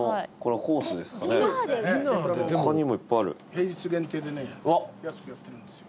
平日限定でね安くやってるんですよ。